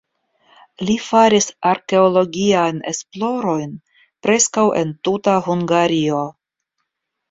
Li faris arkeologiajn esplorojn preskaŭ en tuta Hungario.